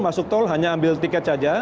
masuk tol hanya ambil tiket saja